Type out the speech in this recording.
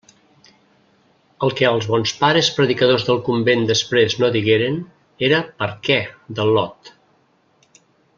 El que els bons pares predicadors del convent després no digueren era per què de Lot.